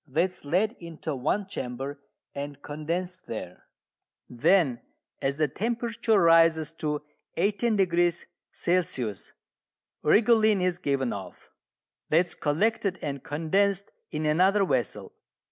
That is led into one chamber and condensed there. Then, as the temperature rises to 18° C., rhigolene is given off: that is collected and condensed in another vessel.